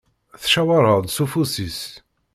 Tcewweṛ-aɣ-d s ufus-is.